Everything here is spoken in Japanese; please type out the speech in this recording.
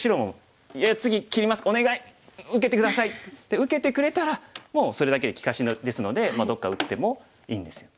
受けてくれたらもうそれだけで利かしですのでどっか打ってもいいんですよ。